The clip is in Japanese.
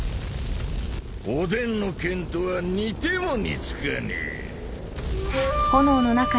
おでんの剣とは似ても似つかねえ。